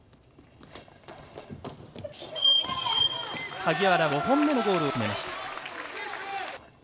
萩原、５本目のゴールを決めました。